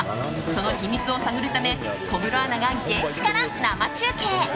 その秘密を探るため小室アナが現地から生中継。